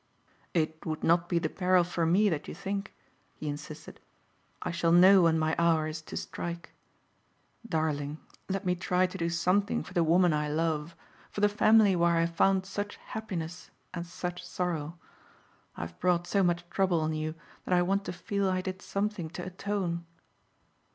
"It would not be the peril for me that you think," he insisted. "I shall know when my hour is to strike. Darling, let me try to do something for the woman I love, for the family where I found such happiness and such sorrow. I have brought so much trouble on you that I want to feel I did something to atone."